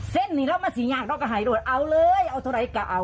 เส้นนี่เรามาสิงหยากเราก็หายโดดเอาเลยเอาเท่าไหร่ก็เอา